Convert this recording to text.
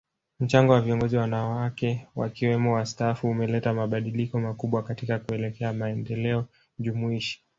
Mchango wa viongozi wanawake wakiwemo wastaafu umeleta mabadiliko makubwa katika kuelekea maendeleo jumuishi